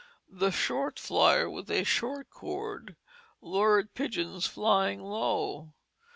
The short flyer with shorter cord lured pigeons flying low.